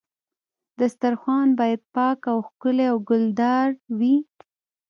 دسترخوان باید پاک او ښکلی او ګلدار وي.